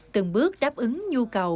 từng bước đáp ứng nhu cầu